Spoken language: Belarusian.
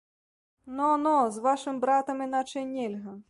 Но, но, з вашым братам іначай нельга.